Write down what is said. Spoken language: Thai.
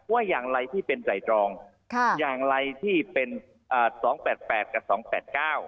ว่าอย่างไรที่เป็นไตรตรองค่ะอย่างไรที่เป็นอ่าสองแปดแปดกับสองแปดเก้า